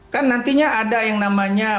kan nantinya ada yang namanya